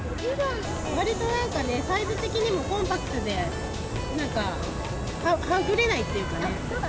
わりとサイズ的にはコンパクトで、なんか、はぐれないっていうかね。